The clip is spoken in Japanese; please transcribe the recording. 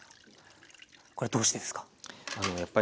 これどうしてですか？